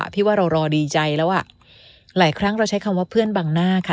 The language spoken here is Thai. พี่ว่าเรารอดีใจแล้วอ่ะหลายครั้งเราใช้คำว่าเพื่อนบังหน้าค่ะ